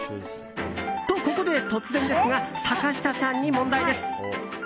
と、ここで突然ですが坂下さんに問題です。